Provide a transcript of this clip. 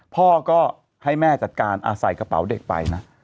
พ่อก็ให้แม่จัดการใส่กระเป๋าเด็กไปนะ